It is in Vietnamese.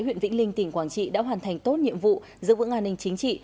huyện vĩnh linh tỉnh quảng trị đã hoàn thành tốt nhiệm vụ giữ vững an ninh chính trị